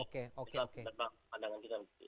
ya itu adalah pandangan kita